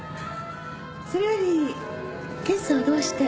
それより刑事さんはどうして？